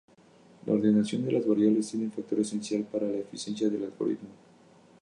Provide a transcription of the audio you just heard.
La ordenación de las variables tiene un factor esencial para la eficiencia del algoritmo.